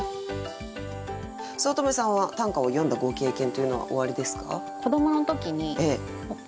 五月女さんは短歌を詠んだご経験というのはおありですか？